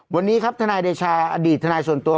วันนี้ครับทนายเดชาอดีตทนายส่วนตัว